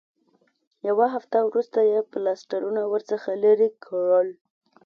یوه هفته وروسته یې پلاسټرونه ورڅخه لرې کړل.